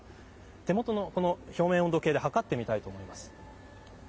手元の表面温度計で計ってみたいと思います。